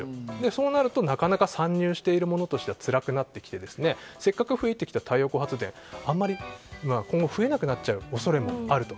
そうなるとなかなか参入しているものとしてはつらくなってきてせっかく増えてきた太陽光発電があまり今後増えなくなっちゃう恐れもあると。